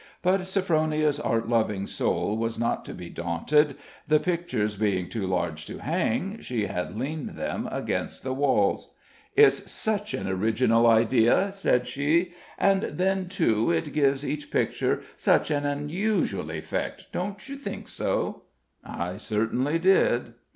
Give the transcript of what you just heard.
But Sophronia's art loving soul was not to be daunted; the pictures being too large to hang, she had leaned them against the walls. "It's such an original idea," said she; "and then, too, it gives each picture such an unusual effect don't you think so?" I certainly did.